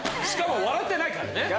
しかも笑ってないからね。